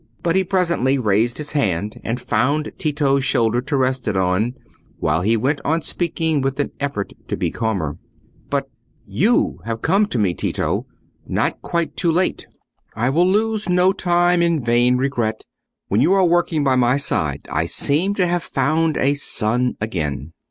But he presently raised his hand and found Tito's shoulder to rest it on, while he went on speaking, with an effort to be calmer. "But you have come to me, Tito—not quite too late. I will lose no time in vain regret. When you are working by my side I seem to have found a son again."